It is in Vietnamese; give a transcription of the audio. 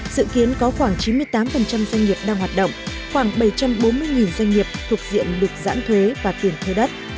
dự kiến có khoảng chín mươi tám doanh nghiệp đang hoạt động khoảng bảy trăm bốn mươi doanh nghiệp thuộc diện được giãn thuế và tiền thuê đất